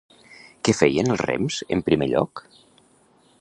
Què feien els rems en primer lloc?